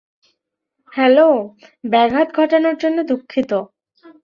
Hello, ব্যাঘাত ঘটানোর জন্য দুঃখিত।